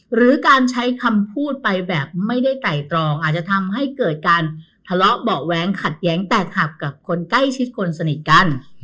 หรือการใช้คำพูดไปแบบไม่ได้ไตรตรองอาจจะทำให้เกิดการทะเลาะเบาะแว้งขัดแย้งแตกหักกับคนใกล้ชิดคนสนิทกัน